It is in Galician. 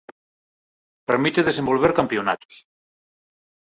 Permite desenvolver campionatos.